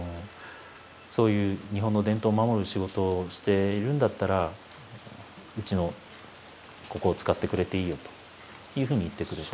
「そういう日本の伝統を守る仕事をしているんだったらうちのここを使ってくれていいよ」というふうに言ってくれて。